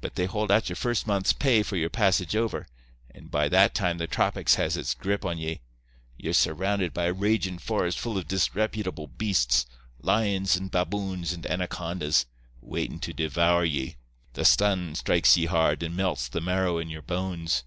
But they hold out your first month's pay for your passage over, and by that time the tropics has its grip on ye. Ye're surrounded by a ragin' forest full of disreputable beasts—lions and baboons and anacondas—waitin' to devour ye. The sun strikes ye hard, and melts the marrow in your bones.